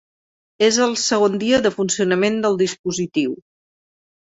És el segon dia de funcionament del dispositiu.